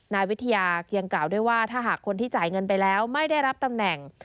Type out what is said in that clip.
นายวิทยาเคียงกล่าวด้วยว่าถ้าหากคนที่จ่ายเงินไปแล้วไม่ได้รับตำแหน่ง